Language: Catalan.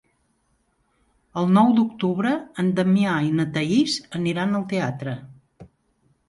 El nou d'octubre en Damià i na Thaís aniran al teatre.